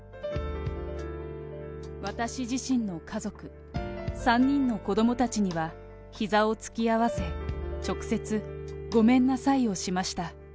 私自身の家族、３人の子どもたちには、ひざをつき合わせ、直接、ごめんなさいをしました。